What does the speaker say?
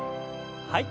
はい。